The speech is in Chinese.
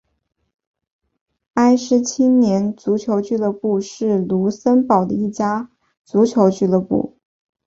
埃施青年足球俱乐部是卢森堡的一家足球俱乐部。